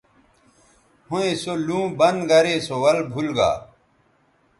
ھویں سو لُوں بند گرے سو ول بُھول گا